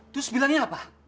terus bilangnya apa